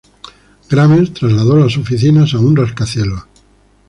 Grammer trasladó las oficinas a un rascacielos.